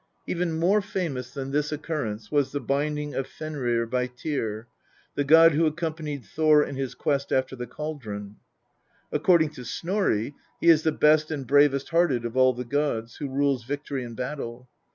Even more famous than this occurrence was the binding of Fenrir by Tyr, the god who accompanied Thor in his quest after the cauldron. According to Snorri, "he is the best and bravest hearted of all the gods, who rules victory in battle."